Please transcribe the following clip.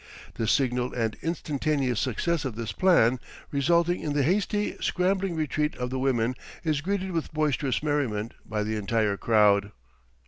The signal and instantaneous success of this plan, resulting in the hasty, scrambling retreat of the women, is greeted with boisterous merriment, by the entire crowd.